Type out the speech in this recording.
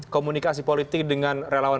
komunikasi politik dengan relawan